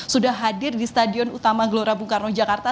sudah hadir di stadion utama gelora bung karno jakarta